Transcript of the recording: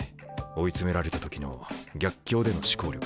追い詰められた時の逆境での思考力